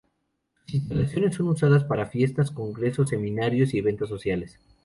Sus instalaciones son usadas para fiestas, congresos, seminarios y eventos sociales.